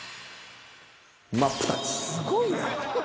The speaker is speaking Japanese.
すごいな。